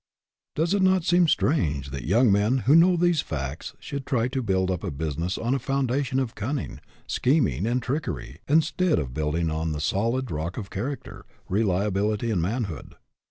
Does it not seem strange that young men who know these facts should try to build up a business on a foundation of cunning, scheming, and trickery, instead of building on the solid rock of character, reliability, and manhood?